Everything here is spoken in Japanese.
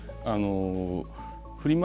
フリマ